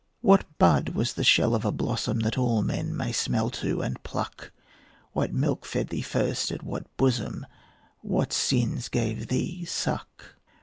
What bud was the shell of a blossom That all men may smell to and pluck? What milk fed thee first at what bosom? What sins gave thee suck?